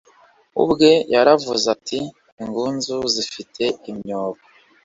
ubwe yaravuze ati ingunzu zifite inyobo